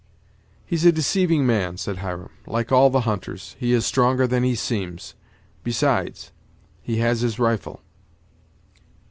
"He's a deceiving man," said Hiram, "like all the hunters; he is stronger than he seems; besides, he has his rifle."